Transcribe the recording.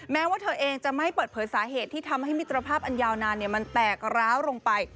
แม้ว่าเธอเองจะไม่เปิดเผยสาเหตุที่ทำให้มิตรภาพอันยาวนานมันแตกร้าวลงไป